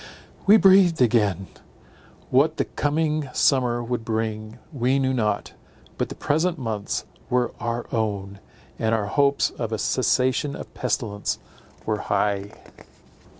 We breathed again. What the coming summer would bring, we knew not; but the present months were our own, and our hopes of a cessation of pestilence were high.